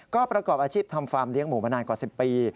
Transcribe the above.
ก็ประกอบอาชีพทำฟาร์มเลี้ยหมูมานานกว่า๑๐ปี